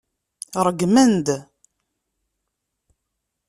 Ṛeggmen-d.